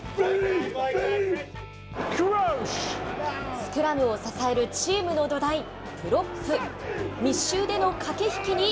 スクラムを支えるチームの土台、プロップ。